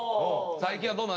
最近はどうなの？